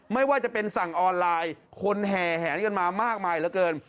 ไม่ว่าจะเป็นสั่งออนไลน์คนแห่แหนกันมามากมายเหลือเกิน